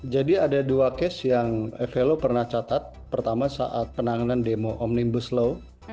jadi ada dua kes yang evalo pernah catat pertama saat penanganan demo omnibus law